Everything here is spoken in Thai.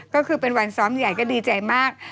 ก็คือเป็นวันซ้อมใหญ่ก็ดีใจมาก